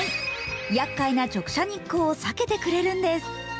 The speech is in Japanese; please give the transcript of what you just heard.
やっかいな直射日光を避けてくれるんです。